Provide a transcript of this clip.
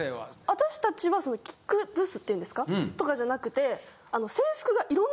私たちはその着崩すって言うんですか？とかじゃなくて。